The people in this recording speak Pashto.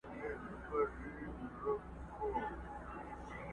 نور مي په حالاتو باور نه راځي بوډی سومه،